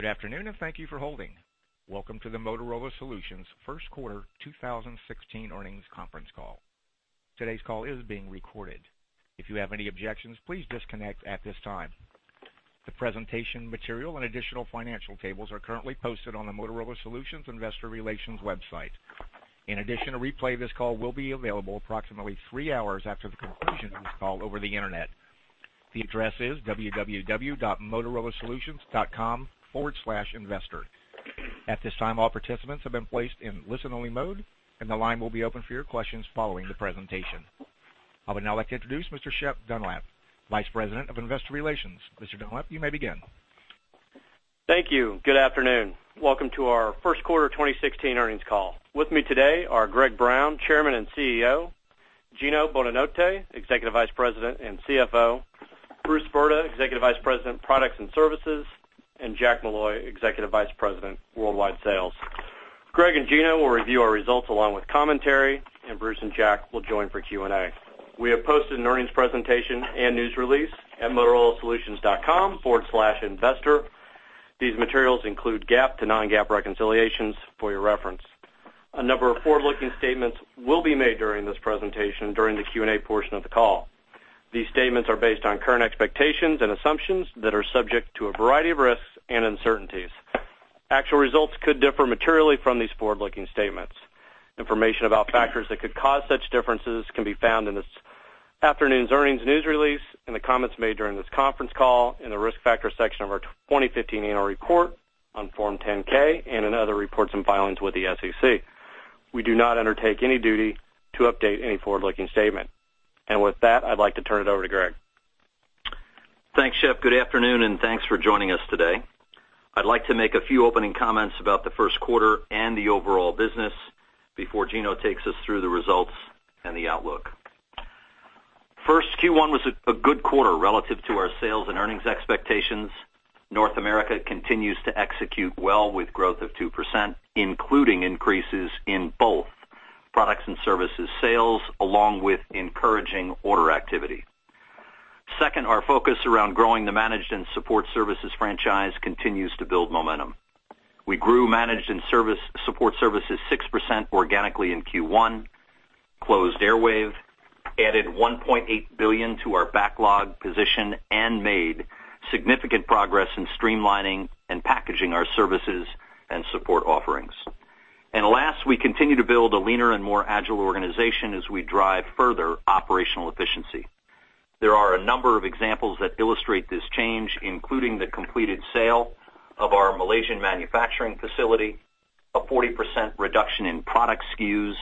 Good afternoon, and thank you for holding. Welcome to the Motorola Solutions' First Quarter 2016 Earnings Conference Call. Today's call is being recorded. If you have any objections, please disconnect at this time. The presentation material and additional financial tables are currently posted on the Motorola Solutions investor relations website. In addition, a replay of this call will be available approximately three hours after the conclusion of this call over the Internet. The address is www.motorolasolutions.com/investor. At this time, all participants have been placed in listen-only mode, and the line will be open for your questions following the presentation. I would now like to introduce Mr. Shep Dunlap, Vice President of Investor Relations. Mr. Dunlap, you may begin. Thank you. Good afternoon. Welcome to our first quarter 2016 earnings call. With me today are Greg Brown, Chairman and CEO, Gino Bonanotte, Executive Vice President and CFO, Bruce Brda, Executive Vice President, Products and Services, and Jack Molloy, Executive Vice President, Worldwide Sales. Greg and Gino will review our results along with commentary, and Bruce and Jack will join for Q&A. We have posted an earnings presentation and news release at motorolasolutions.com/investor. These materials include GAAP to non-GAAP reconciliations for your reference. A number of forward-looking statements will be made during this presentation during the Q&A portion of the call. These statements are based on current expectations and assumptions that are subject to a variety of risks and uncertainties. Actual results could differ materially from these forward-looking statements. Information about factors that could cause such differences can be found in this afternoon's earnings news release, in the comments made during this conference call, in the Risk Factors section of our 2015 annual report on Form 10-K, and in other reports and filings with the SEC. We do not undertake any duty to update any forward-looking statement. With that, I'd like to turn it over to Greg. Thanks, Shep. Good afternoon, and thanks for joining us today. I'd like to make a few opening comments about the first quarter and the overall business before Gino takes us through the results and the outlook. First, Q1 was a good quarter relative to our sales and earnings expectations. North America continues to execute well with growth of 2%, including increases in both products and services sales, along with encouraging order activity. Second, our focus around growing the managed and support services franchise continues to build momentum. We grew managed and support services 6% organically in Q1, closed Airwave, added $1.8 billion to our backlog position, and made significant progress in streamlining and packaging our services and support offerings. And last, we continue to build a leaner and more agile organization as we drive further operational efficiency. There are a number of examples that illustrate this change, including the completed sale of our Malaysian manufacturing facility, a 40% reduction in product SKUs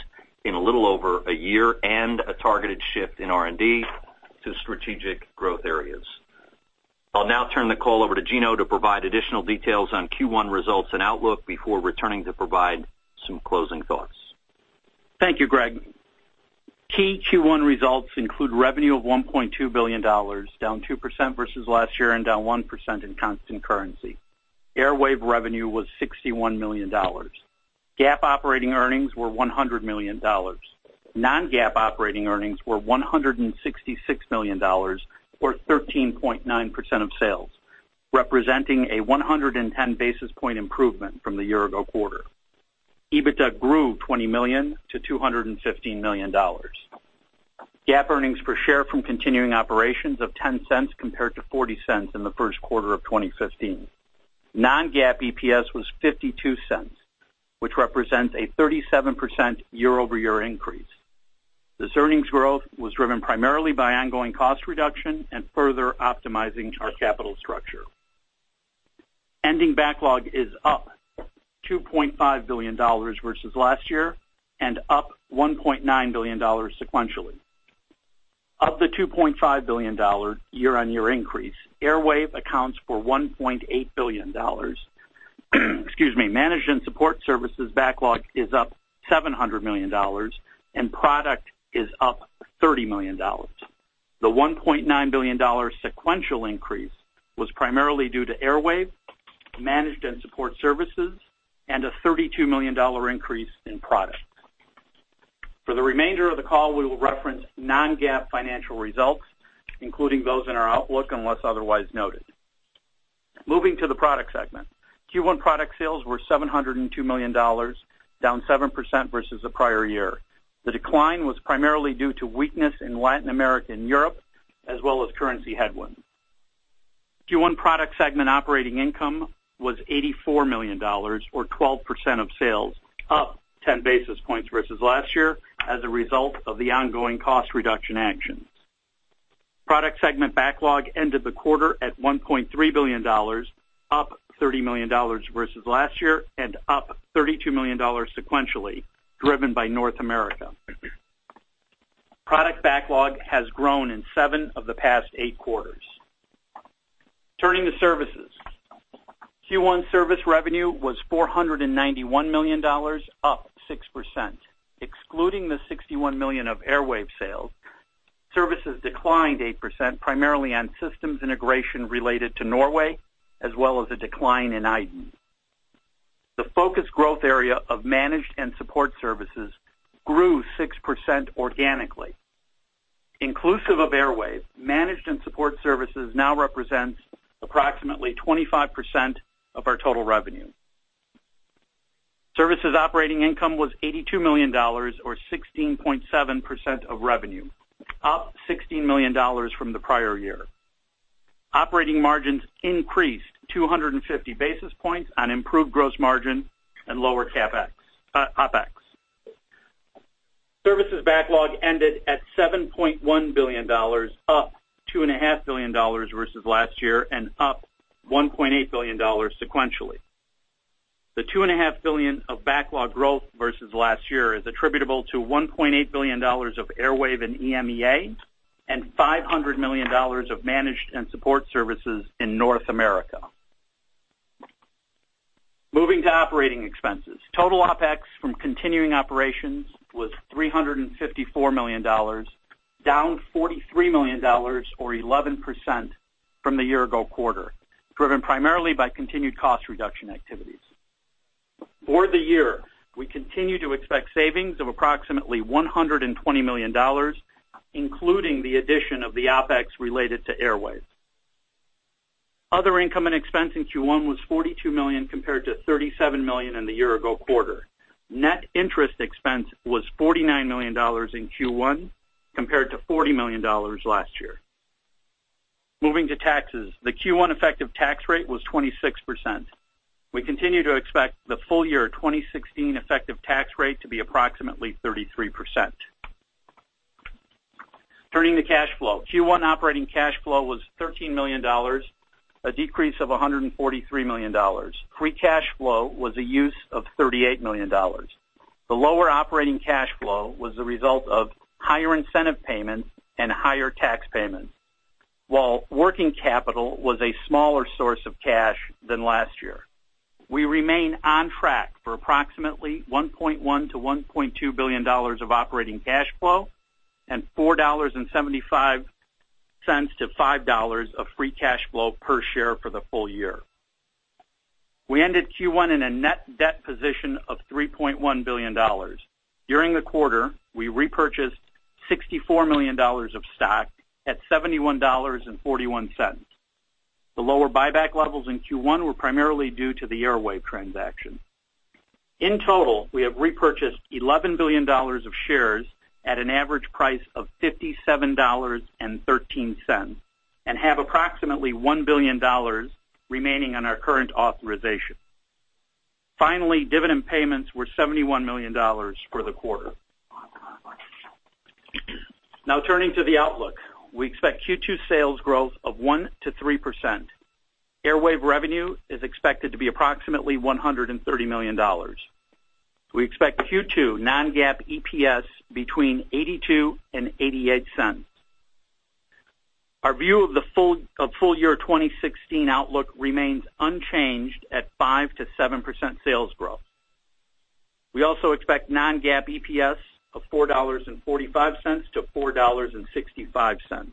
in a little over a year, and a targeted shift in R&D to strategic growth areas. I'll now turn the call over to Gino to provide additional details on Q1 results and outlook before returning to provide some closing thoughts. Thank you, Greg. Key Q1 results include revenue of $1.2 billion, down 2% versus last year and down 1% in constant currency. Airwave revenue was $61 million. GAAP operating earnings were $100 million. Non-GAAP operating earnings were $166 million, or 13.9% of sales, representing a 110 basis point improvement from the year-ago quarter. EBITDA grew $20 million to $215 million. GAAP earnings per share from continuing operations of $0.10 compared to $0.40 in the first quarter of 2015. Non-GAAP EPS was $0.52, which represents a 37% year-over-year increase. This earnings growth was driven primarily by ongoing cost reduction and further optimizing our capital structure. Ending backlog is up $2.5 billion versus last year and up $1.9 billion sequentially. Of the $2.5 billion year-on-year increase, Airwave accounts for $1.8 billion. Excuse me. Managed support services backlog is up $700 million, and product is up $30 million. The $1.9 billion sequential increase was primarily due to Airwave, managed and support services, and a $32 million increase in product. For the remainder of the call, we will reference non-GAAP financial results, including those in our outlook, unless otherwise noted. Moving to the product segment. Q1 product sales were $702 million, down 7% versus the prior year. The decline was primarily due to weakness in Latin America and Europe, as well as currency headwinds. Q1 product segment operating income was $84 million, or 12% of sales, up 10 basis points versus last year as a result of the ongoing cost reduction actions. Product segment backlog ended the quarter at $1.3 billion, up $30 million versus last year and up $32 million sequentially, driven by North America. Product backlog has grown in 7 of the past eight quarters. Turning to services. Q1 service revenue was $491 million, up 6%. Excluding the $61 million of Airwave sales, services declined 8%, primarily on systems integration related to Norway, as well as a decline in iDEN. The focused growth area of managed and support services grew 6% organically. Inclusive of Airwave, managed and support services now represents approximately 25% of our total revenue. Services operating income was $82 million or 16.7% of revenue, up $16 million from the prior year. Operating margins increased 250 basis points on improved gross margin and lower CapEx--OpEx. Services backlog ended at $7.1 billion, up $2.5 billion versus last year, and up $1.8 billion sequentially. The $2.5 billion of backlog growth versus last year is attributable to $1.8 billion of Airwave in EMEA, and $500 million of managed and support services in North America. Moving to operating expenses. Total OpEx from continuing operations was $354 million, down $43 million or 11% from the year ago quarter, driven primarily by continued cost reduction activities. For the year, we continue to expect savings of approximately $120 million, including the addition of the OpEx related to Airwave. Other income and expense in Q1 was $42 million, compared to $37 million in the year ago quarter. Net interest expense was $49 million in Q1, compared to $40 million last year. Moving to taxes. The Q1 effective tax rate was 26%. We continue to expect the full year 2016 effective tax rate to be approximately 33%. Turning to cash flow. Q1 operating cash flow was $13 million, a decrease of $143 million. Free cash flow was a use of $38 million. The lower operating cash flow was the result of higher incentive payments and higher tax payments, while working capital was a smaller source of cash than last year. We remain on track for approximately $1.1 billion-$1.2 billion of operating cash flow, and $4.75-$5 of free cash flow per share for the full year. We ended Q1 in a net debt position of $3.1 billion. During the quarter, we repurchased $64 million of stock at $71.41. The lower buyback levels in Q1 were primarily due to the Airwave transaction. In total, we have repurchased $11 billion of shares at an average price of $57.13, and have approximately $1 billion remaining on our current authorization. Finally, dividend payments were $71 million for the quarter. Now, turning to the outlook. We expect Q2 sales growth of 1%-3%. Airwave revenue is expected to be approximately $130 million. We expect Q2 non-GAAP EPS between $0.82 and $0.88. Our view of the full year 2016 outlook remains unchanged at 5%-7% sales growth. We also expect non-GAAP EPS of $4.45-$4.65.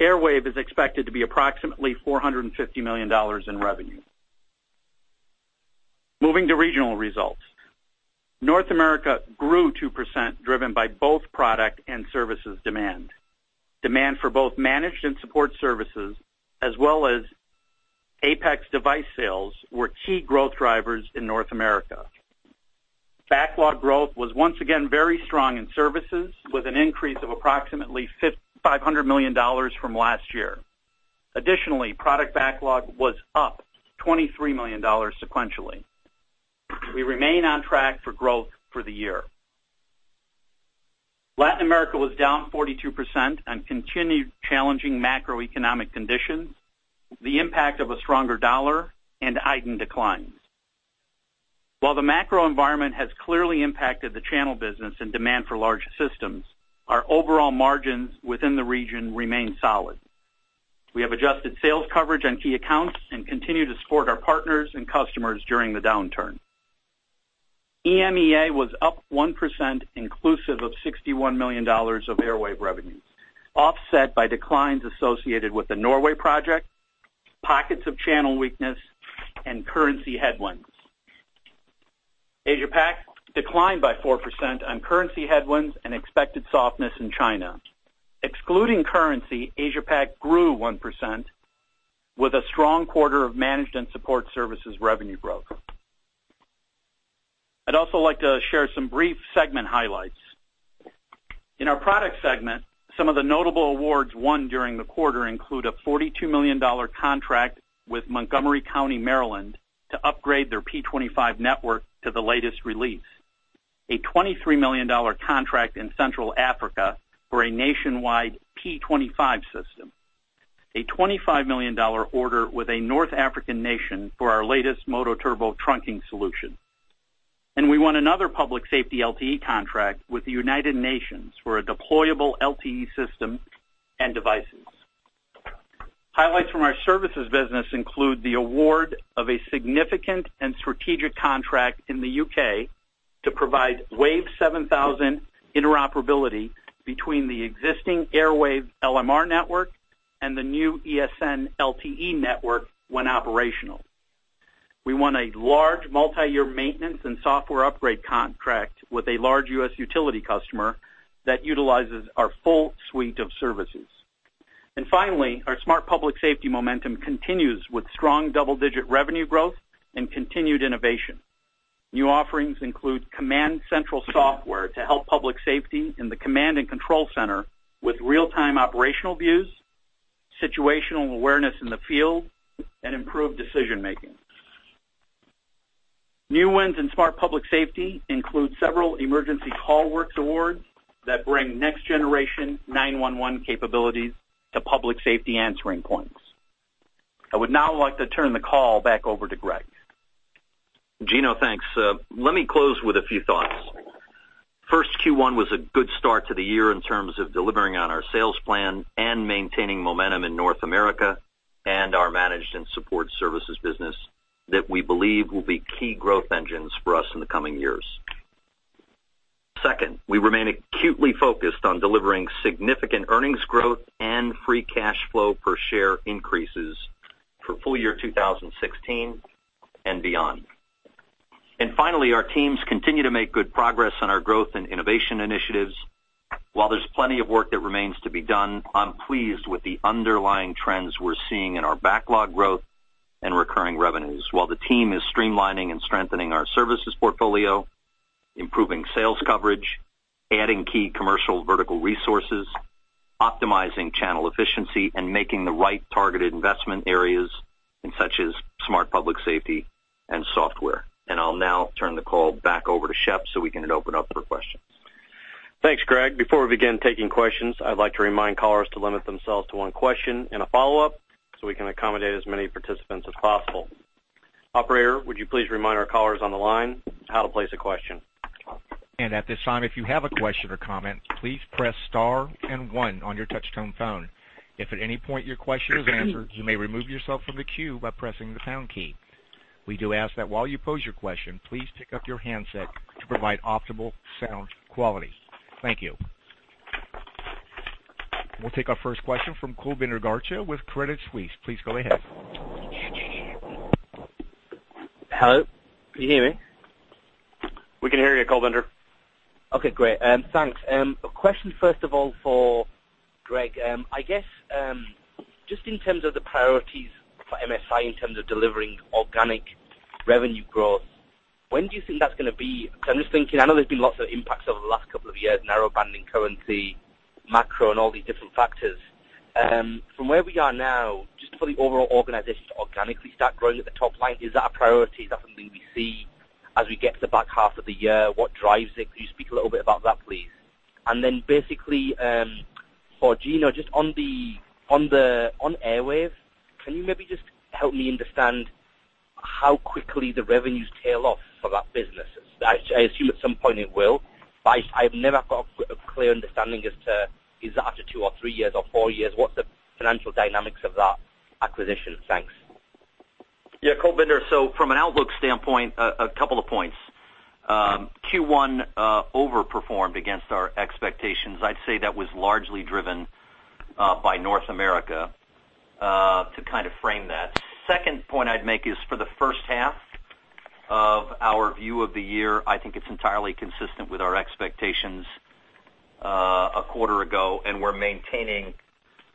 Airwave is expected to be approximately $450 million in revenue. Moving to regional results. North America grew 2%, driven by both product and services demand. Demand for both managed and support services, as well as APX device sales, were key growth drivers in North America. Backlog growth was once again very strong in services, with an increase of approximately $500 million from last year. Additionally, product backlog was up $23 million sequentially. We remain on track for growth for the year. Latin America was down 42% on continued challenging macroeconomic conditions, the impact of a stronger dollar and heightened declines. While the macro environment has clearly impacted the channel business and demand for large systems, our overall margins within the region remain solid. We have adjusted sales coverage on key accounts and continue to support our partners and customers during the downturn. EMEA was up 1%, inclusive of $61 million of Airwave revenue, offset by declines associated with the Norway project, pockets of channel weakness, and currency headwinds. Asia Pac declined by 4% on currency headwinds and expected softness in China. Excluding currency, Asia Pac grew 1% with a strong quarter of managed and support services revenue growth. I'd also like to share some brief segment highlights. In our product segment, some of the notable awards won during the quarter include a $42 million contract with Montgomery County, Maryland, to upgrade their P25 network to the latest release, a $23 million contract in Central Africa for a nationwide P25 system, a $25 million order with a North African nation for our latest MOTOTRBO trunking solution. We won another public safety LTE contract with the United Nations for a deployable LTE system and devices. Highlights from our services business include the award of a significant and strategic contract in the U.K. to provide WAVE 7000 interoperability between the existing Airwave LMR network and the new ESN LTE network when operational. We won a large multi-year maintenance and software upgrade contract with a large U.S. utility customer that utilizes our full suite of services. Finally, our Smart Public Safety momentum continues with strong double-digit revenue growth and continued innovation. New offerings include CommandCentral software to help public safety in the command and control center with real-time operational views, situational awareness in the field, and improved decision-making. New wins in Smart Public Safety include several Emergency CallWorks awards that bring next-generation 911 capabilities to public safety answering points. I would now like to turn the call back over to Greg. Gino, thanks. Let me close with a few thoughts. First, Q1 was a good start to the year in terms of delivering on our sales plan and maintaining momentum in North America and our managed and support services business that we believe will be key growth engines for us in the coming years. Second, we remain acutely focused on delivering significant earnings growth and free cash flow per share increases for full year 2016 and beyond. And finally, our teams continue to make good progress on our growth and innovation initiatives. While there's plenty of work that remains to be done, I'm pleased with the underlying trends we're seeing in our backlog growth and recurring revenues. While the team is streamlining and strengthening our services portfolio, improving sales coverage, adding key commercial vertical resources, optimizing channel efficiency, and making the right targeted investments in areas such as Smart Public Safety and software, I'll now turn the call back over to Shep, so we can open up for questions. Thanks, Greg. Before we begin taking questions, I'd like to remind callers to limit themselves to one question and a follow-up, so we can accommodate as many participants as possible. Operator, would you please remind our callers on the line how to place a question? At this time, if you have a question or comment, please press star and one on your touch-tone phone. If at any point your question is answered, you may remove yourself from the queue by pressing the pound key. We do ask that while you pose your question, please pick up your handset to provide optimal sound quality. Thank you. We'll take our first question from Kulbinder Garcha with Credit Suisse. Please go ahead. Hello, can you hear me? We can hear you, Kulbinder. Okay, great. Thanks. A question, first of all, for Greg. I guess, just in terms of the priorities for MSI, in terms of delivering organic revenue growth, when do you think that's gonna be? Because I'm just thinking, I know there's been lots of impacts over the last couple of years, narrowbanding, currency, macro, and all these different factors. From where we are now, just for the overall organization to organically start growing at the top line, is that a priority? Is that something we see as we get to the back half of the year? What drives it? Can you speak a little bit about that, please? And then basically, for Gino, just on the Airwave, can you maybe just help me understand how quickly the revenues tail off for that business? I assume at some point it will, but I've never got a clear understanding as to, is that after two or three years or four years, what's the financial dynamics of that acquisition? Thanks. Yeah, Kulbinder, so from an outlook standpoint, a couple of points. Q1 overperformed against our expectations. I'd say that was largely driven by North America to kind of frame that. Second point I'd make is for the first half of our view of the year, I think it's entirely consistent with our expectations a quarter ago, and we're maintaining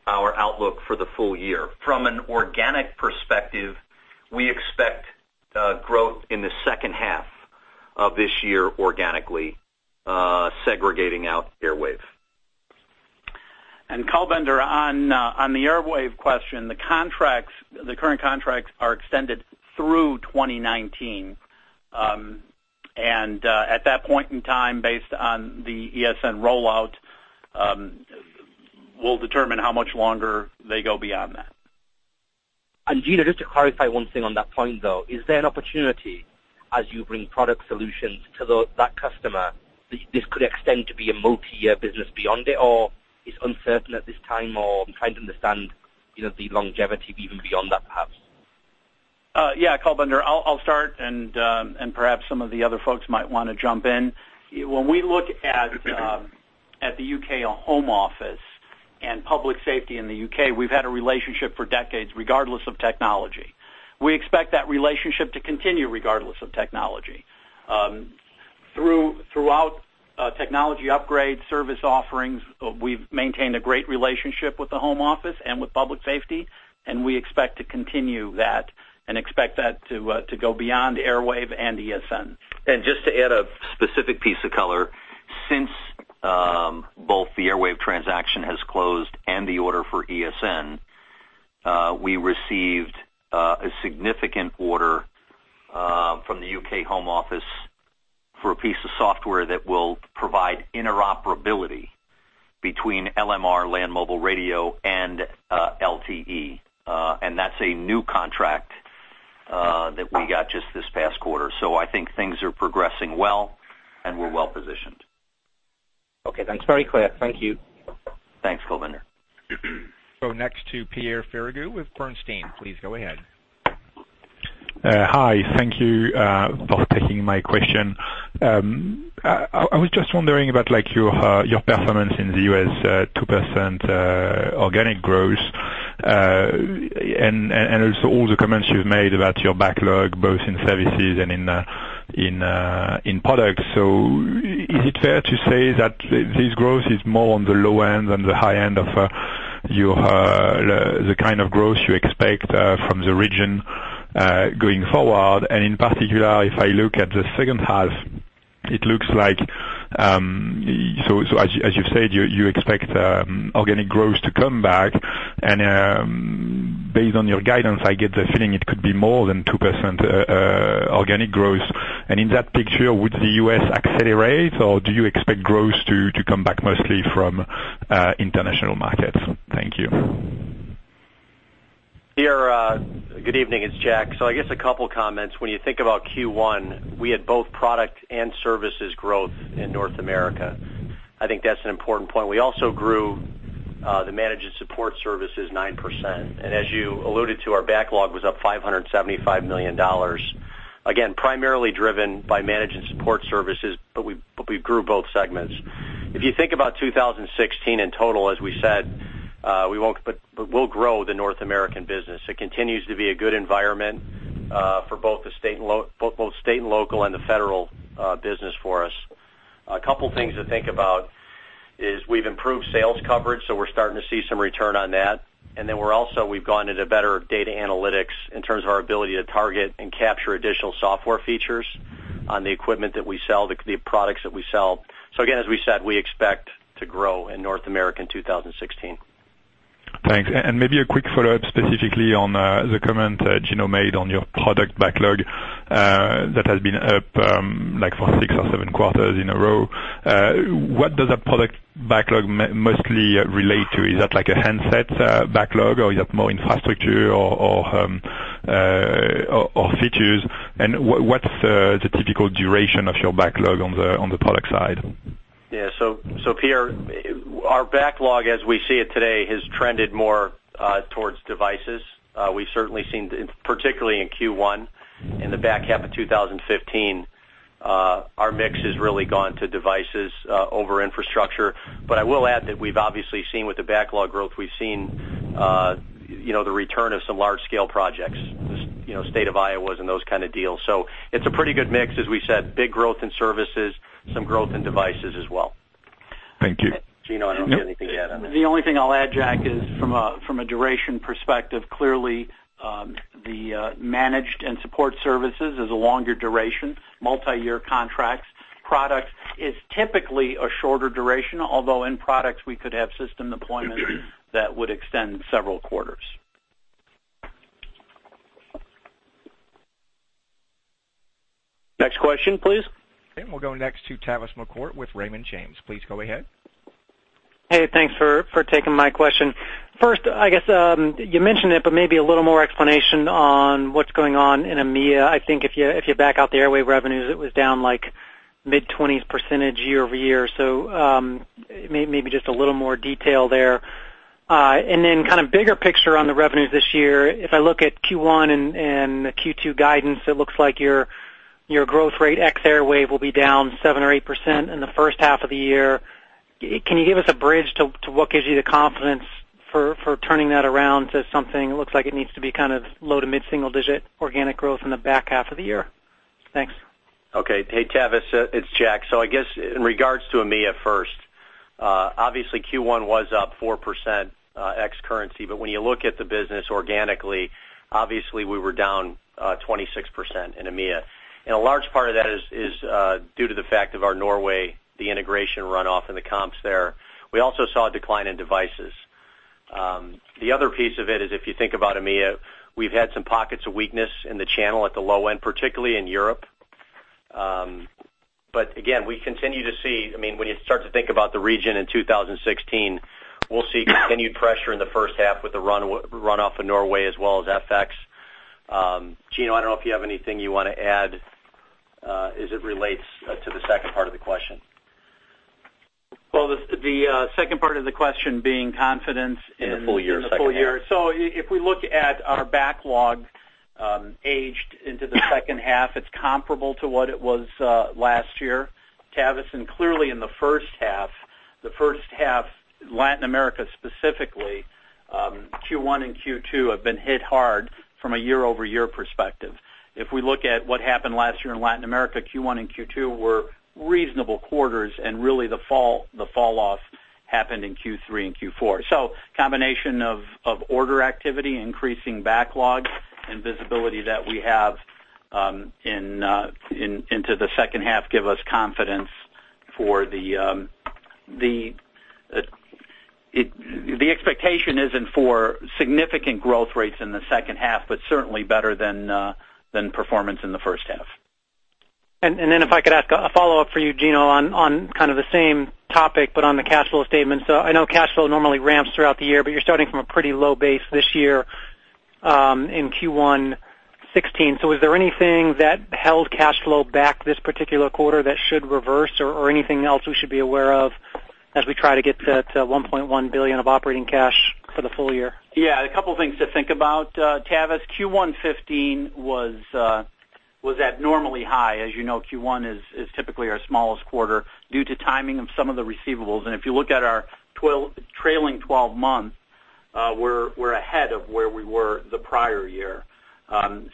our outlook for the full year. From an organic perspective, we expect growth in the second half of this year organically, segregating out Airwave. And Kulbinder, on the Airwave question, the contracts, the current contracts are extended through 2019. And, at that point in time, based on the ESN rollout, we'll determine how much longer they go beyond that. Gino, just to clarify one thing on that point, though, is there an opportunity as you bring product solutions to that customer, this could extend to be a multi-year business beyond it, or it's uncertain at this time, or I'm trying to understand, you know, the longevity even beyond that, perhaps? Yeah, Kulbinder, I'll start and perhaps some of the other folks might wanna jump in. When we look at the U.K., Home Office and public safety in the U.K., we've had a relationship for decades, regardless of technology. We expect that relationship to continue regardless of technology. Throughout technology upgrades, service offerings, we've maintained a great relationship with the Home Office and with public safety, and we expect to continue that and expect that to go beyond Airwave and ESN. And just to add a specific piece of color, since both the Airwave transaction has closed and the order for ESN, we received a significant order from the U.K. Home Office for a piece of software that will provide interoperability between LMR, Land Mobile Radio, and LTE. And that's a new contract that we got just this past quarter. So I think things are progressing well, and we're well-positioned. Okay, that's very clear. Thank you. Thanks, Kulbinder. So next to Pierre Ferragu with Bernstein. Please go ahead. Hi, thank you for taking my question. I was just wondering about, like, your performance in the U.S., 2% organic growth, and also all the comments you've made about your backlog, both in services and in products. So is it fair to say that this growth is more on the low end than the high end of your the kind of growth you expect from the region going forward? And in particular, if I look at the second half, it looks like, so as you've said, you expect organic growth to come back, and based on your guidance, I get the feeling it could be more than 2% organic growth. In that picture, would the U.S. accelerate, or do you expect growth to come back mostly from international markets? Thank you. Pierre, good evening, it's Jack. So I guess a couple comments. When you think about Q1, we had both product and services growth in North America. I think that's an important point. We also grew the managed support services 9%. And as you alluded to, our backlog was up $575 million, again, primarily driven by managed and support services, but we grew both segments. If you think about 2016 in total, as we said, we won't, but we'll grow the North American business. It continues to be a good environment for both the state and local and the federal business for us. A couple things to think about is we've improved sales coverage, so we're starting to see some return on that. And then we're also, we've gone into better data analytics in terms of our ability to target and capture additional software features on the equipment that we sell, the products that we sell. So again, as we said, we expect to grow in North America in 2016. Thanks. And maybe a quick follow-up specifically on the comment Gino made on your product backlog that has been up, like for six or seven quarters in a row. What does a product backlog mostly relate to? Is that like a handset backlog, or is that more infrastructure or features? And what's the typical duration of your backlog on the product side? Yeah, so, so Pierre, our backlog, as we see it today, has trended more towards devices. We've certainly seen, particularly in Q1, in the back half of 2015, our mix has really gone to devices over infrastructure. But I will add that we've obviously seen with the backlog growth, we've seen, you know, the return of some large-scale projects, you know, State of Iowa's and those kind of deals. So it's a pretty good mix, as we said, big growth in services, some growth in devices as well. Thank you. Gino, I don't know if you have anything to add on that. The only thing I'll add, Jack, is from a duration perspective, clearly, the managed and support services is a longer duration, multi-year contracts. Product is typically a shorter duration, although in products, we could have system deployments that would extend several quarters. Next question, please. We'll go next to Tavis McCourt with Raymond James. Please go ahead. Hey, thanks for taking my question. First, I guess you mentioned it, but maybe a little more explanation on what's going on in EMEA. I think if you back out the Airwave revenues, it was down like mid-20% year-over-year. So, maybe just a little more detail there. And then kind of bigger picture on the revenues this year, if I look at Q1 and the Q2 guidance, it looks like your growth rate ex Airwave will be down 7% or 8% in the first half of the year. Can you give us a bridge to what gives you the confidence for turning that around to something? It looks like it needs to be kind of low- to mid-single-digit organic growth in the back half of the year. Thanks. Okay. Hey, Tavis, it's Jack. So I guess in regards to EMEA first, obviously Q1 was up 4%, ex currency, but when you look at the business organically, obviously we were down 26% in EMEA. And a large part of that is due to the fact of our Norway, the integration runoff and the comps there. We also saw a decline in devices. The other piece of it is, if you think about EMEA, we've had some pockets of weakness in the channel at the low end, particularly in Europe. But again, we continue to see, I mean, when you start to think about the region in 2016, we'll see continued pressure in the first half with the runoff of Norway as well as FX. Gino, I don't know if you have anything you want to add, as it relates to the second part of the question. Well, the second part of the question being confidence in-- In the full year, second half. In the full year. So if we look at our backlog, heading into the second half, it's comparable to what it was last year, Tavis, and clearly in the first half, Latin America, specifically, Q1 and Q2 have been hit hard from a year-over-year perspective. If we look at what happened last year in Latin America, Q1 and Q2 were reasonable quarters, and really the falloff happened in Q3 and Q4. So combination of order activity, increasing backlog and visibility that we have into the second half give us confidence for the expectation isn't for significant growth rates in the second half, but certainly better than performance in the first half. Then if I could ask a follow-up for you, Gino, on kind of the same topic, but on the cash flow statement. I know cash flow normally ramps throughout the year, but you're starting from a pretty low base this year. In Q1 2016. So is there anything that held cash flow back this particular quarter that should reverse or, or anything else we should be aware of as we try to get to that, $1.1 billion of operating cash for the full year? Yeah, a couple of things to think about, Tavis. Q1 2015 was abnormally high. As you know, Q1 is typically our smallest quarter due to timing of some of the receivables. If you look at our trailing twelve months, we're ahead of where we were the prior year.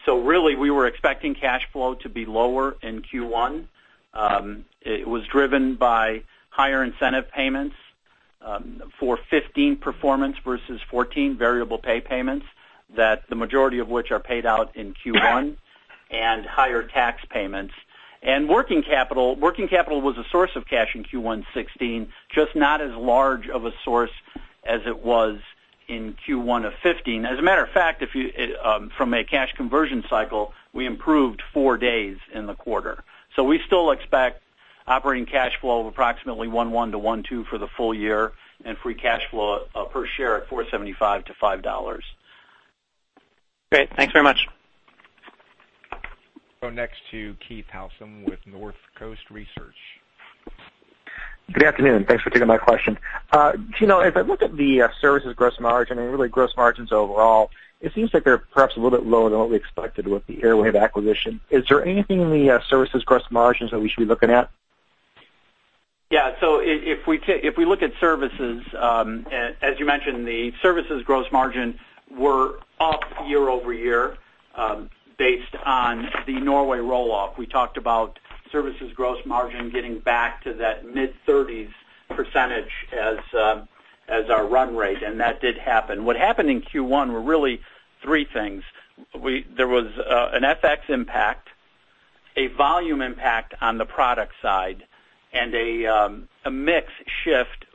So really, we were expecting cash flow to be lower in Q1. It was driven by higher incentive payments for 2015 performance versus 2014 variable pay payments, that the majority of which are paid out in Q1, and higher tax payments. Working capital was a source of cash in Q1 2016, just not as large of a source as it was in Q1 of 2015. As a matter of fact, if you, from a cash conversion cycle, we improved four days in the quarter. So we still expect operating cash flow of approximately $1.1 billion-$1.2 billion for the full year, and free cash flow per share at $4.75-$5. Great. Thanks very much. Go next to Keith Housum with Northcoast Research. Good afternoon. Thanks for taking my question. Gino, if I look at the services gross margin, and really gross margins overall, it seems like they're perhaps a little bit lower than what we expected with the Airwave acquisition. Is there anything in the services gross margins that we should be looking at? Yeah. So if we look at services, as you mentioned, the services gross margin were up year-over-year, based on the Norway roll-off. We talked about services gross margin getting back to that mid-30% as our run rate, and that did happen. What happened in Q1 were really three things: there was an FX impact, a volume impact on the product side, and a mix shift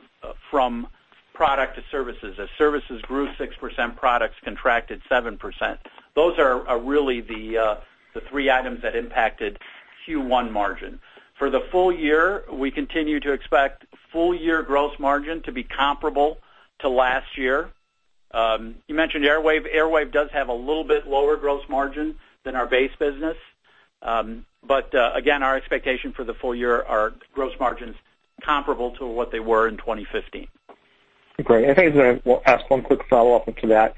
from product to services. As services grew 6%, products contracted 7%. Those are really the three items that impacted Q1 margin. For the full year, we continue to expect full year gross margin to be comparable to last year. You mentioned Airwave. Airwave does have a little bit lower gross margin than our base business. But, again, our expectation for the full year are gross margins comparable to what they were in 2015. Great. I think I'm gonna ask one quick follow-up into that.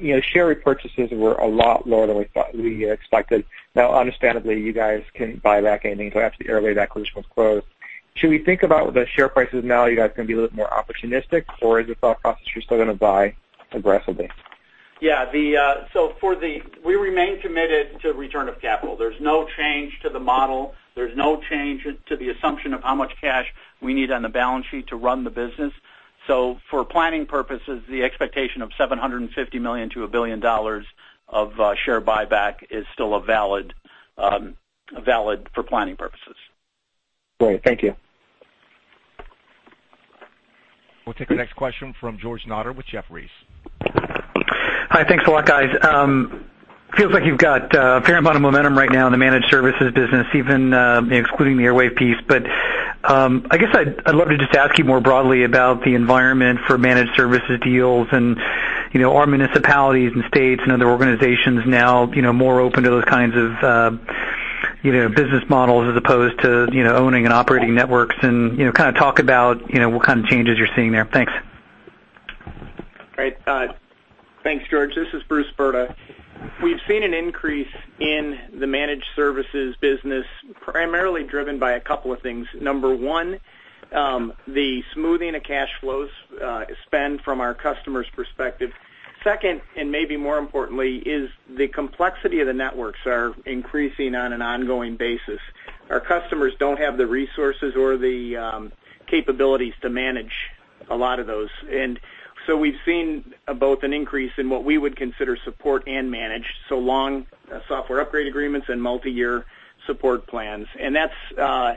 You know, share repurchases were a lot lower than we thought we expected. Now, understandably, you guys can buy back anything after the Airwave acquisition was closed. Should we think about the share prices now, you guys are going to be a little more opportunistic, or is the thought process you're still going to buy aggressively? Yeah. So we remain committed to return of capital. There's no change to the model. There's no change to the assumption of how much cash we need on the balance sheet to run the business. So for planning purposes, the expectation of $750 million-$1 billion of share buyback is still a valid for planning purposes. Great. Thank you. We'll take the next question from George Notter with Jefferies. Hi, thanks a lot, guys. Feels like you've got a fair amount of momentum right now in the managed services business, even excluding the Airwave piece. But, I guess I'd love to just ask you more broadly about the environment for managed services deals and, you know, are municipalities and states and other organizations now, you know, more open to those kinds of business models as opposed to, you know, owning and operating networks? And, you know, kind of talk about, you know, what kind of changes you're seeing there. Thanks. Great. Thanks, George. This is Bruce Brda. We've seen an increase in the managed services business, primarily driven by a couple of things. Number one, the smoothing of cash flows, spend from our customer's perspective. Second, and maybe more importantly, is the complexity of the networks are increasing on an ongoing basis. Our customers don't have the resources or the, capabilities to manage a lot of those. And so we've seen both an increase in what we would consider support and managed, so long software upgrade agreements and multi-year support plans. And that's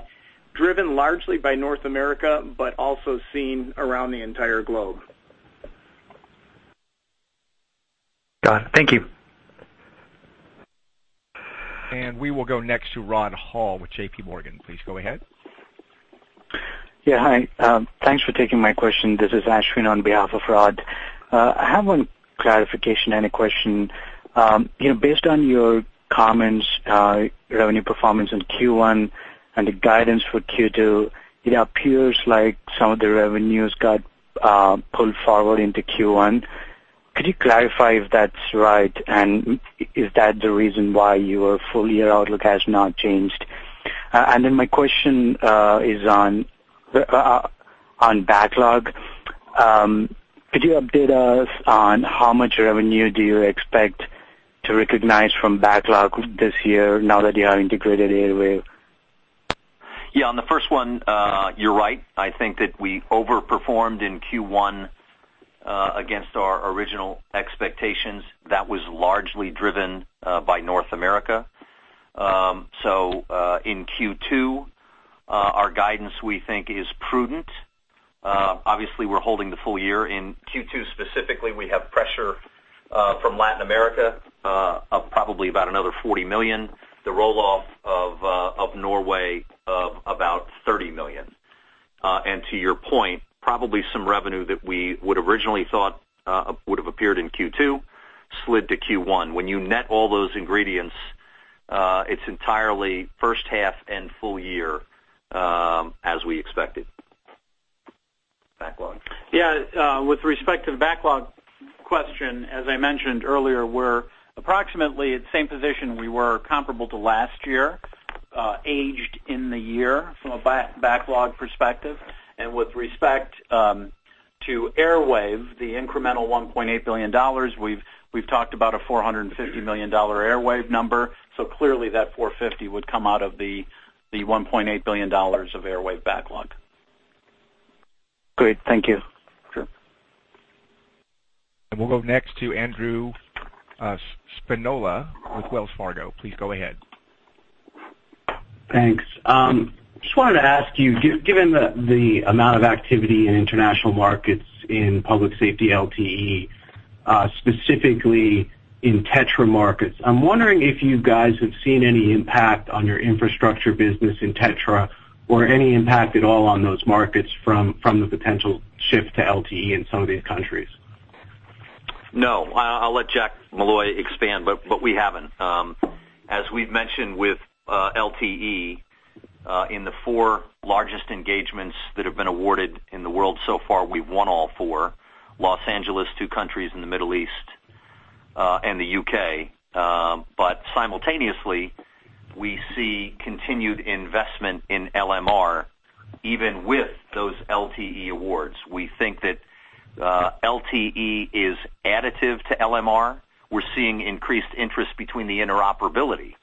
driven largely by North America, but also seen around the entire globe. Got it. Thank you. We will go next to Rod Hall with JP Morgan. Please go ahead. Yeah, hi. Thanks for taking my question. This is Ashwin on behalf of Rod. I have one clarification and a question. You know, based on your comments, revenue performance in Q1 and the guidance for Q2, it appears like some of the revenues got pulled forward into Q1. Could you clarify if that's right, and is that the reason why your full year outlook has not changed? And then my question is on backlog. Could you update us on how much revenue do you expect to recognize from backlog this year now that you have integrated Airwave? Yeah, on the first one, you're right. I think that we overperformed in Q1 against our original expectations. That was largely driven by North America. So, in Q2, our guidance, we think, is prudent. Obviously, we're holding the full year. In Q2, specifically, we have pressure from Latin America, probably about another $40 million, the roll off of Norway, of about $30 million. And to your point, probably some revenue that we would originally thought would have appeared in Q2, slid to Q1. When you net all those ingredients, it's entirely first half and full year, as we expected. Backlog? Yeah, with respect to the backlog question, as I mentioned earlier, we're approximately at the same position we were comparable to last year, a year ago from a backlog perspective. With respect to Airwave, the incremental $1.8 billion, we've talked about a $450 million Airwave number. So clearly, that $450 would come out of the $1.8 billion of Airwave backlog. Great, thank you. Sure. We'll go next to Andrew Spinola with Wells Fargo. Please go ahead. Thanks. Just wanted to ask you, given the amount of activity in international markets in public safety LTE, specifically in TETRA markets, I'm wondering if you guys have seen any impact on your infrastructure business in TETRA or any impact at all on those markets from the potential shift to LTE in some of these countries? No, I'll let Jack Molloy expand, but, but we haven't. As we've mentioned with LTE, in the four largest engagements that have been awarded in the world so far, we've won all four: Los Angeles, two countries in the Middle East, and the U.K. But simultaneously, we see continued investment in LMR, even with those LTE awards. We think that LTE is additive to LMR. We're seeing increased interest between the interoperability,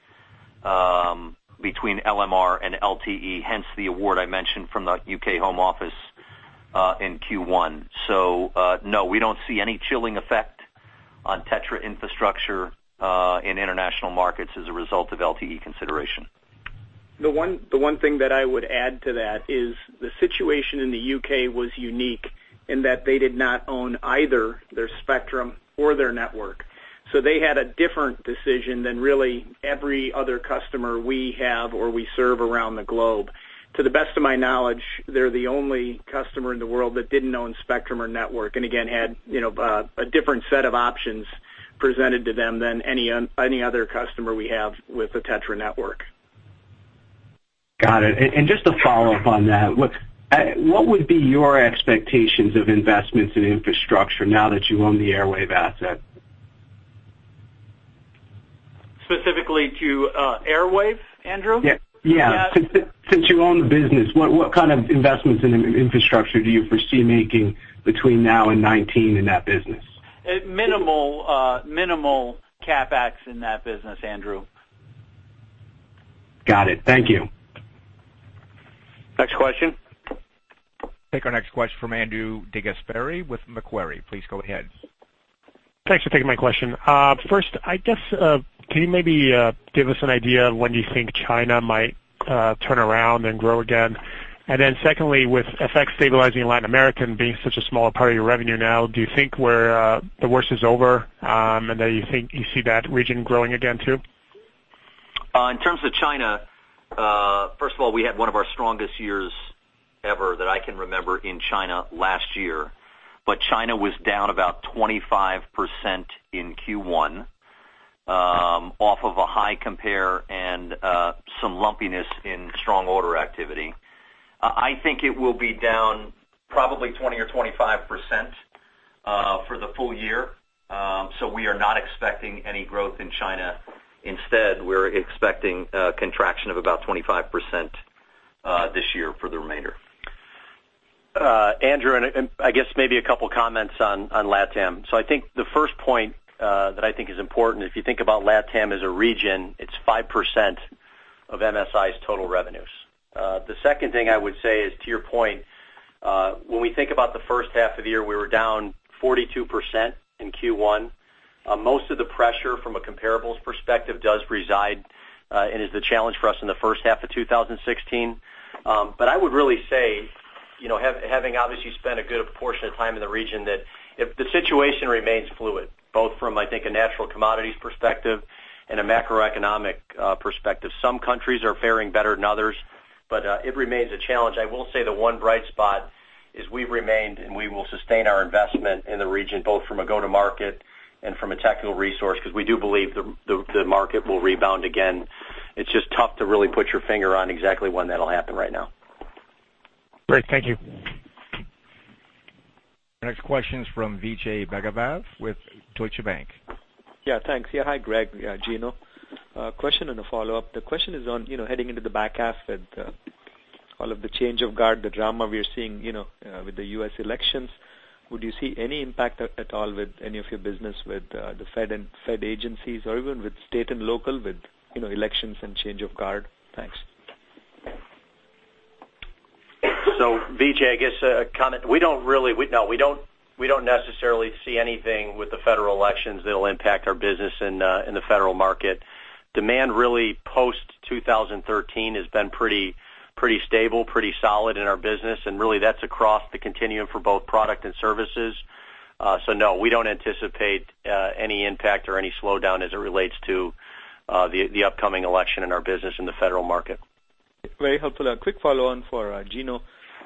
between LMR and LTE, hence the award I mentioned from the U.K. Home Office, in Q1. So, no, we don't see any chilling effect on TETRA infrastructure, in international markets as a result of LTE consideration. The one, the one thing that I would add to that is the situation in the U.K. was unique in that they did not own either their spectrum or their network. So they had a different decision than really every other customer we have or we serve around the globe. To the best of my knowledge, they're the only customer in the world that didn't own spectrum or network, and again, had, you know, a different set of options presented to them than any other customer we have with a TETRA network. Got it. And just to follow up on that, what would be your expectations of investments in infrastructure now that you own the Airwave asset? Specifically to Airwave, Andrew? Yeah, yeah. Since you own the business, what kind of investments in infrastructure do you foresee making between now and 2019 in that business? Minimal CapEx in that business, Andrew. Got it. Thank you. Next question. Take our next question from Andrew DeGasperi with Macquarie. Please go ahead. Thanks for taking my question. First, I guess, can you maybe give us an idea of when you think China might turn around and grow again? And then secondly, with FX stabilizing Latin America being such a small part of your revenue now, do you think we're the worst is over, and that you think you see that region growing again, too? In terms of China, first of all, we had one of our strongest years ever that I can remember in China last year. But China was down about 25% in Q1, off of a high compare and some lumpiness in strong order activity. I think it will be down probably 20% or 25%, for the full year. So we are not expecting any growth in China. Instead, we're expecting a contraction of about 25%, this year for the remainder. Andrew, and I guess maybe a couple comments on Latam. So I think the first point that I think is important, if you think about LatAm as a region, it's 5% of MSI's total revenues. The second thing I would say is, to your point, when we think about the first half of the year, we were down 42% in Q1. Most of the pressure from a comparables perspective does reside, and is the challenge for us in the first half of 2016. But I would really say, you know, having obviously spent a good portion of time in the region, that if the situation remains fluid, both from, I think, a natural commodities perspective and a macroeconomic perspective. Some countries are faring better than others, but it remains a challenge. I will say the one bright spot is we've remained, and we will sustain our investment in the region, both from a go-to-market and from a technical resource, because we do believe the market will rebound again. It's just tough to really put your finger on exactly when that'll happen right now. Great. Thank you. Next question's from Vijay Bhagavath with Deutsche Bank. Yeah, thanks. Yeah, hi, Greg, Gino. Question and a follow-up. The question is on, you know, heading into the back half and all of the change of guard, the drama we are seeing, you know, with the U.S. elections, would you see any impact at all with any of your business with the Fed and Fed agencies or even with state and local, with, you know, elections and change of guard? Thanks. So, Vijay, I guess, a comment. We don't really—we don't necessarily see anything with the federal elections that'll impact our business in the federal market. Demand really post-2013 has been pretty, pretty stable, pretty solid in our business, and really that's across the continuum for both product and services. So no, we don't anticipate any impact or any slowdown as it relates to the upcoming election in our business in the federal market. Very helpful. A quick follow-on for, Gino.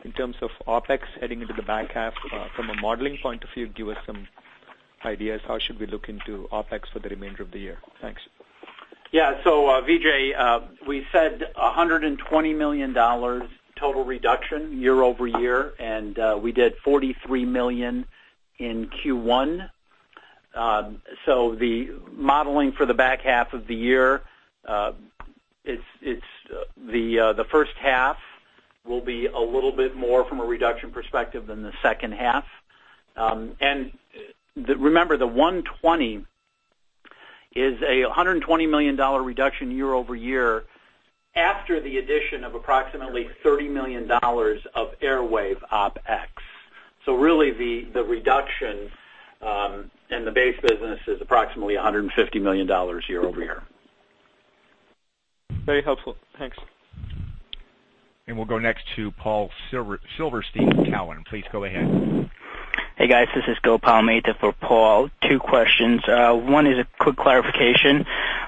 In terms of OpEx heading into the back half, from a modeling point of view, give us some ideas, how should we look into OpEx for the remainder of the year? Thanks. Yeah. So, Vijay, we said $120 million total reduction year-over-year, and we did $43 million in Q1. So the modeling for the back half of the year, it's the first half will be a little bit more from a reduction perspective than the second half. And remember, the $120 million is a $120 million reduction year-over-year after the addition of approximately $30 million of Airwave OpEx. So really, the reduction in the base business is approximately $150 million year-over-year. Very helpful. Thanks. We'll go next to Paul Silverstein at Cowen. Please go ahead. Hey, guys, this is Gopal Mehta for Paul. Two questions. One is a quick clarification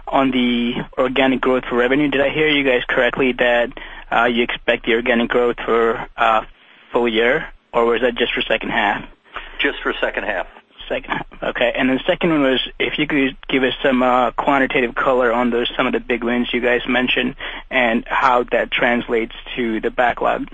on the organic growth for revenue. Did I hear you guys correctly, that you expect the organic growth for full year, or was that just for second half? Just for second half? Second half. Okay, and then second one was, if you could give us some, quantitative color on those, some of the big wins you guys mentioned and how that translates to the backlog.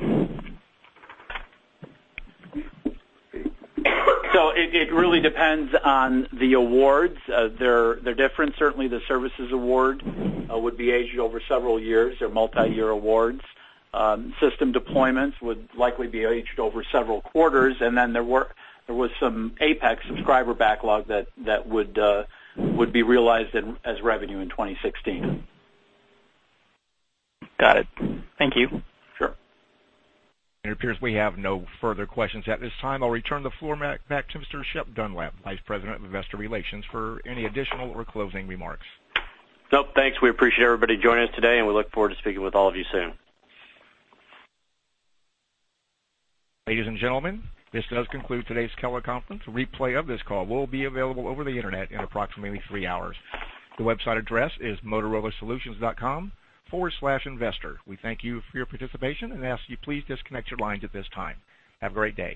So it really depends on the awards. They're different. Certainly, the services award would be aged over several years. They're multiyear awards. System deployments would likely be aged over several quarters, and then there was some APX subscriber backlog that would be realized as revenue in 2016. Got it. Thank you. Sure. It appears we have no further questions at this time. I'll return the floor back to Mr. Shep Dunlap, Vice President of Investor Relations, for any additional or closing remarks. Nope, thanks. We appreciate everybody joining us today, and we look forward to speaking with all of you soon. Ladies and gentlemen, this does conclude today's teleconference. A replay of this call will be available over the internet in approximately three hours. The website address is motorolasolutions.com/investor. We thank you for your participation and ask you please disconnect your lines at this time. Have a great day.